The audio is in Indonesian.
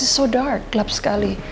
so dark gelap sekali